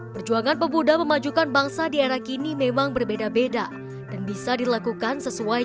perjuangan pemuda memajukan bangsa di era kini memang berbeda beda dan bisa dilakukan sesuai